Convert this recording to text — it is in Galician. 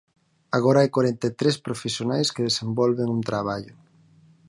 Agora hai corenta e tres profesionais que desenvolven un traballo.